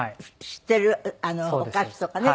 知っているお菓子とかね。